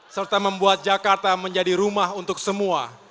serta membuat jakarta menjadi rumah untuk semua